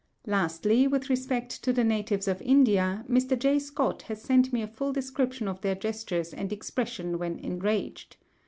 Lastly, with respect to the natives of India, Mr. J. Scott has sent me a full description of their gestures and expression when enraged.